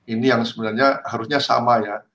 ini yang sebenarnya harusnya sama ya